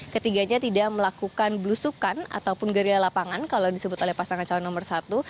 ketiganya tidak melakukan belusukan ataupun geria lapangan kalau disebut oleh pasangan calon nomor satu